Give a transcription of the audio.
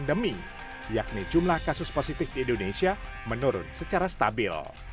pandemi yakni jumlah kasus positif di indonesia menurun secara stabil